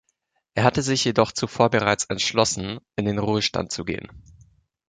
Er hatte sich jedoch zuvor bereits entschlossen, in den Ruhestand zu gehen.